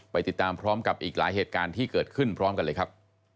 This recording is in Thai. ไปติดตามพร้อมกับอีกหลายเหตุการณ์ที่เกิดขึ้นพร้อมกันเลยครับ